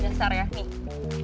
ntar ya nih